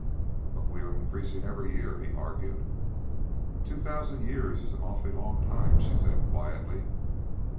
"But we are increasing every year," he argued. "Two thousand years is an awfully long time," she said quietly.